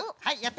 はい。